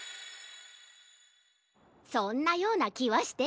そんなようなきはしてたよ。